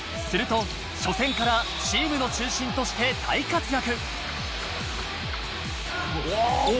すると初戦からチームの中心として大活躍。